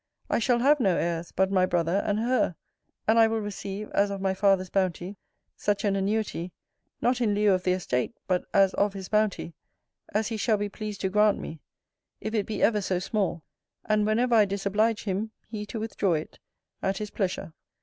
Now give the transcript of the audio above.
I shall have no heirs, but my brother and her; and I will receive, as of my father's bounty, such an annuity (not in lieu of the estate, but as of his bounty) as he shall be pleased to grant me, if it be ever so small: and whenever I disoblige him, he to withdraw it, at his pleasure.